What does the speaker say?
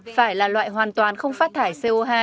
phải là loại hoàn toàn không phát thải co hai